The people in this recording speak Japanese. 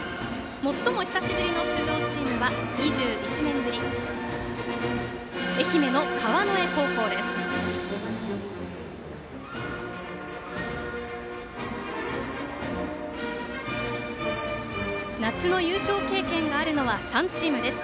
最も久しぶりの出場チームは２１年ぶり、愛媛の川之江高校。夏の優勝経験があるのは３チームです。